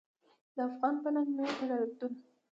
د افغان په ننګ مې وتړله توره .